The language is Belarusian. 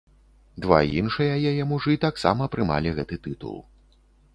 Два іншыя яе мужы таксама прымалі гэты тытул.